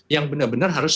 yang benar benar harus